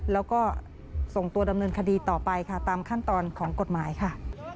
แล้วก็ส่งตัวดำเนินคดีต่อไปค่ะตามขั้นตอนของกฎหมายค่ะ